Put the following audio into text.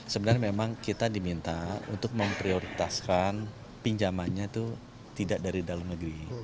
sebenarnya memang kita diminta untuk memprioritaskan pinjamannya itu tidak dari dalam negeri